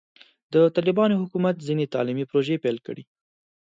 د طالبانو حکومت ځینې تعلیمي پروژې پیل کړي.